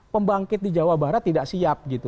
pembangkit di jawa barat tidak siap gitu